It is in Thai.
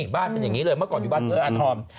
บ้านเป็นอย่างนี้เลยเมื่อก่อนอยู่บ้านเอื้ออาทรอม